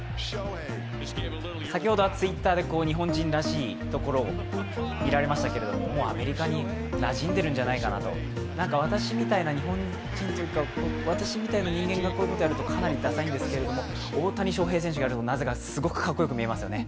先ほどはＴｗｉｔｔｅｒで日本人らしいところを見られましたけれどももうアメリカになじんでいるんじゃないかなと私みたいな日本人というか、私みたいな人間がこういうことをやるとかなりださいんですけど、大谷翔平選手がやるとすごくかっこよく見えますよね。